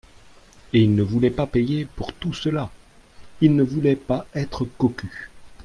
Et il ne voulait pas payer, pour tout cela ; il ne voulait pas être cocu.